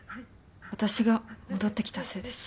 私が戻ってきたせいです。